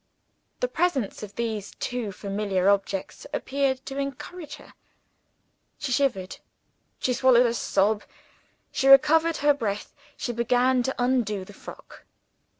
The presence of these two familiar objects appeared to encourage her. She shivered, she swallowed a sob, she recovered her breath, she began to undo the frock.